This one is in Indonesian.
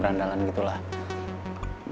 mundane gitu mas